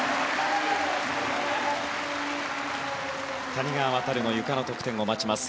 谷川航のゆかの得点を待ちます。